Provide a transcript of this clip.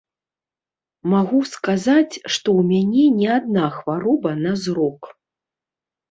Магу сказаць, што ў мяне не адна хвароба на зрок.